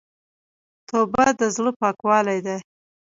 توبه د زړه پاکوالی ده.